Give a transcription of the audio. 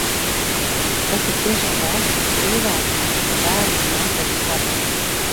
Tas ir tiešām valsts un cilvēku, mūsu bērnu un nākotnes labā.